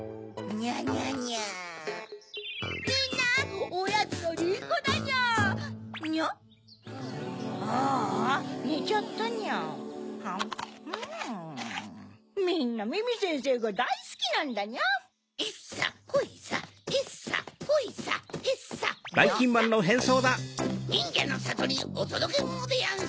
ニャ？にんじゃのさとにおとどけものでやんす。